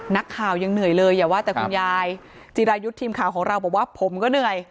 นักข่าวยังเหนื่อยเลยอย่าว่าแต่คุณยายจิรายุทธ์ทีมข่าวของเราบอกว่าผมก็เหนื่อย